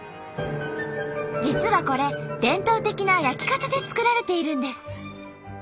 実はこれ伝統的な焼き方で作られているんです。